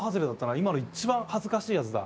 今の一番恥ずかしいやつだ。